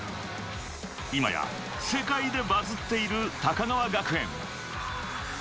今や世界でバズっている高川学園。